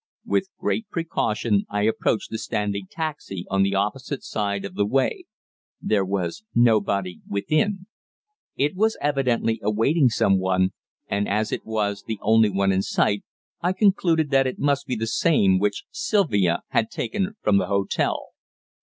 With great precaution I approached the standing taxi on the opposite side of the way. There was nobody within. It was evidently awaiting some one, and as it was the only one in sight I concluded that it must be the same which Sylvia had taken from the hotel.